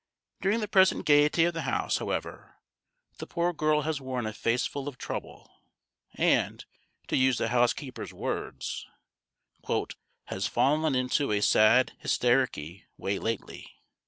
During the present gaiety of the house, however, the poor girl has worn a face full of trouble; and, to use the housekeeper's words, "has fallen into a sad hystericky way lately."